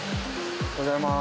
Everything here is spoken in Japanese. おはようございます。